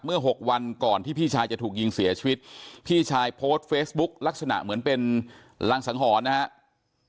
หกวันก่อนที่พี่ชายจะถูกยิงเสียชีวิตพี่ชายโพสต์เฟซบุ๊กลักษณะเหมือนเป็นรังสังหรณ์นะครับ